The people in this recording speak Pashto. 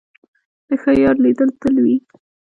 د ښه یار لیدل تل وي.